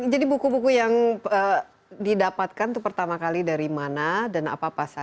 jadi buku buku yang didapatkan itu pertama kali dari mana dan apa apa saja dan ini bagaimana memang ini ya calon